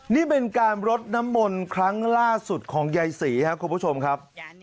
นี่เป็นการรดน้ำมนต์ครั้งล่าสุดของยายศรีครับคุณผู้ชมครับ